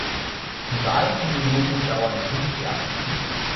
Die Wahlperioden dauern fünf Jahre.